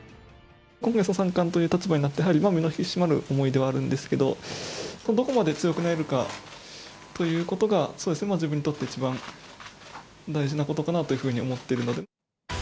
三冠という立場になって、やはり身の引き締まる思いではあるんですけれども、どこまで強くなれるかということが、自分にとって一番大事なことかなというふうに思っているので。